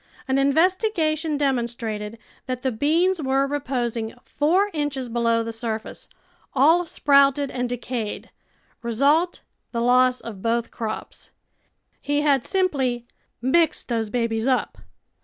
An investigation demonstrated that the beans were reposing four inches below the surface, all sprouted and decayed — result, the loss of both crops. He had simply " mixed those babies up."